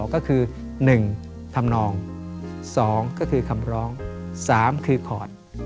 ก็คือ๑ทำนอง๒คำร้อง๓คอร์ด